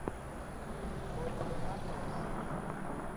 Pwota luphapha wa shima.